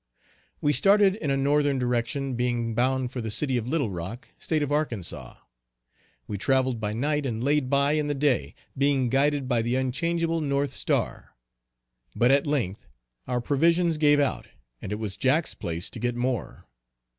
We started in a northern direction, being bound for the city of Little Rock, State of Arkansas. We travelled by night and laid by in the day, being guided by the unchangeable North Star; but at length, our provisions gave out, and it was Jack's place to get more.